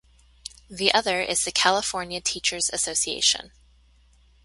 The other is the California Teachers Association.